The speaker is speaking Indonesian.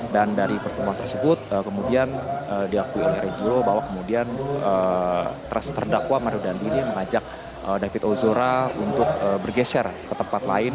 dan dari pertemuan tersebut kemudian diakui oleh renjiro bahwa kemudian terdakwa mario dandi ini mengajak david ozora untuk bergeser ke tempat lain